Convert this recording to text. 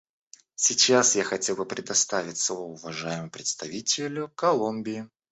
Сейчас я хотел бы предоставить слово уважаемому представителю Колумбии.